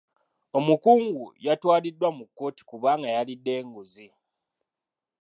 Omukungu yatwaliddwa mu kkooti kubanga yalidde enguzi.